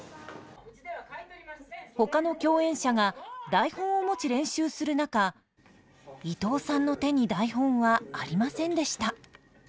ほかの共演者が台本を持ち練習する中伊東さんの手に台本はありませんでした。